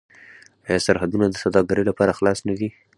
آیا سرحدونه د سوداګرۍ لپاره خلاص نه دي؟